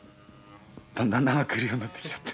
だんだん長くいるようになってきちゃって。